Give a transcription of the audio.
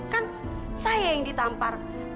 kan saya yang ditampar